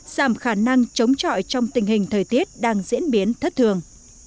giảm khả năng chống trọi trong tình hình thời tiết đang diễn biến thất thường